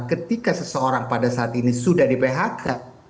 ketika seseorang pada saat ini sudah di phk